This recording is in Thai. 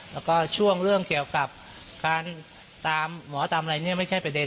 แล้วก็ช่วงเรื่องเกี่ยวกับการตามหมอตามอะไรเนี่ยไม่ใช่ประเด็น